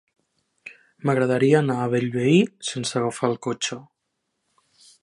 M'agradaria anar a Bellvei sense agafar el cotxe.